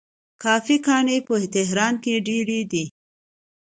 کافې ګانې په تهران کې ډیرې دي.